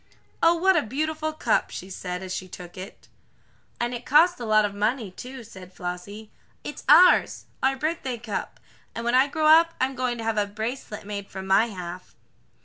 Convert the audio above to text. "Oh, what a beautiful cup," she said, as she took it. "And it cost a lot of money, too," said Flossie. "It's ours our birthday cup, and when I grow up I'm going to have a bracelet made from my half."